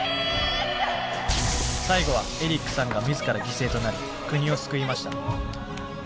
最後はエリックさんが自ら犠牲となり国を救いました。